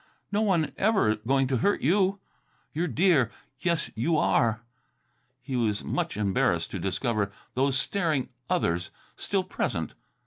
No one ever going to hurt you. You're dear; yes, you are!" He was much embarrassed to discover those staring others still present.